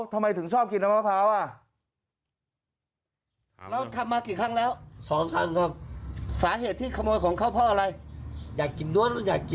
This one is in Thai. ทำไมถึงชอบกินน้ำมะพร้าวอ่ะ